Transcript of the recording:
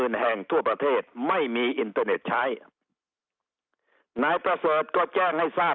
นายประเสริฐก็แจ้งให้ทราบ